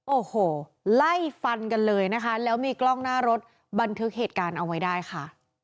โอ้โหไล่ฟันกันเลยนะคะแล้วมีกล้องหน้ารถบันทึกเหตุการณ์เอาไว้ได้ค่ะ